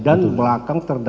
dan belakang terdekatnya